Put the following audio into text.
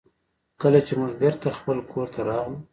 کله چې موږ بېرته خپل کور ته راغلو.